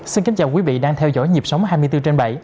xin kính chào quý vị đang theo dõi nhịp sống hai mươi bốn trên bảy